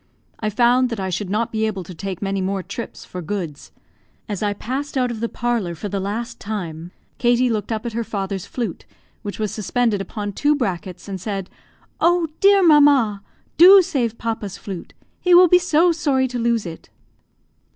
I found that I should not be able to take many more trips for goods. As I passed out of the parlour for the last time, Katie looked up at her father's flute, which was suspended upon two brackets, and said "Oh, dear mamma! do save papa's flute; he will be so sorry to lose it."